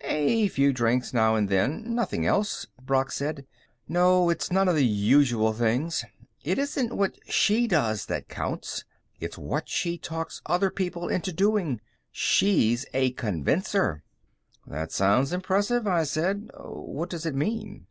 "A few drinks now and then nothing else," Brock said. "No, it's none of the usual things. It isn't what she does that counts; it's what she talks other people into doing. She's a convincer." "That sounds impressive," I said. "What does it mean?"